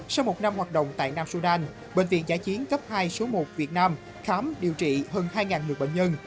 sau một năm hoạt động tại nam sudan bệnh viện giã chiến cấp hai số một việt nam khám điều trị hơn hai lượt bệnh nhân